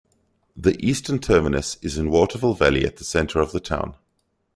The eastern terminus is in Waterville Valley at the center of the town.